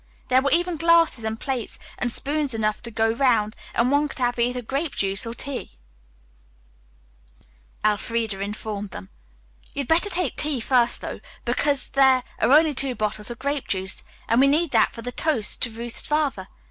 There were even glasses and plates and spoons enough to go round and one could have either grape juice or tea, Elfreda informed them. "You'd better take tea first, though, because there are only two bottles of grape juice, and we need that for the toast to Ruth's father.